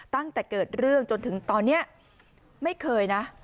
ตั้งแต่เกิดเรื่องจนถึงตอนนี้ไม่เคยนะ